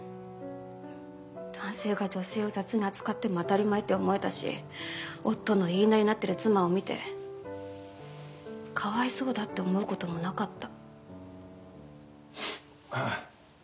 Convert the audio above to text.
男性が女性を雑に扱っても当たり前って思えたし夫の言いなりになってる妻を見てかわいそうだって思う事もなかった。